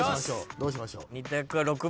どうしましょう？